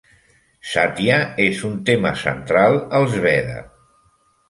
"Satya" és un tema central als Veda.